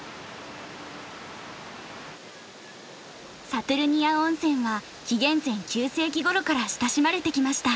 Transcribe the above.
サトゥルニア温泉は紀元前９世紀ごろから親しまれてきました。